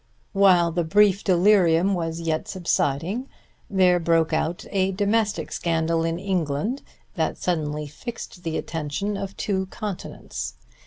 While the brief delirium was yet subsiding there broke out a domestic scandal in England that suddenly fixed the attention of two continents.